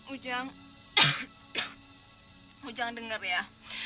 ujang ujang denger ya